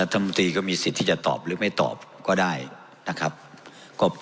เพราะมันก็มีเท่านี้นะเพราะมันก็มีเท่านี้นะ